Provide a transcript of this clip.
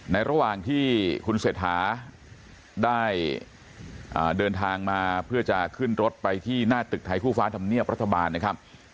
ระหว่างที่คุณเศรษฐาได้เดินทางมาเพื่อจะขึ้นรถไปที่หน้าตึกไทยคู่ฟ้าธรรมเนียบรัฐบาลนะครับ